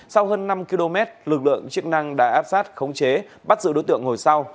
sau hơn năm km lực lượng chức năng đã áp sát khống chế bắt giữ đối tượng ngồi sau